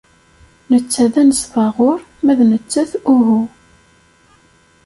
Netta d anesbaɣur, ma d nettat uhu.